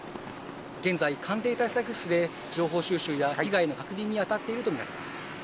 現在、官邸対策室で情報収集や被害の確認にあたっていると見られます。